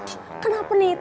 sekarang sakit anjingnya